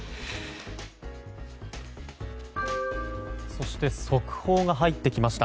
そして速報が入ってきました。